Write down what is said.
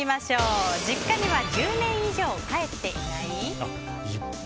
実家には１０年以上帰っていない？